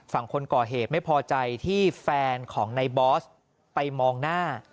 ฝั่งคนก่อเหตุไม่พอใจที่แฟนของในบอสไปมองหน้า